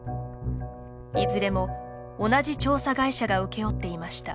いずれも、同じ調査会社が請け負っていました。